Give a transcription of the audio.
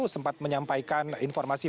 sempat menyampaikan informasi